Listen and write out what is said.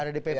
di pp ada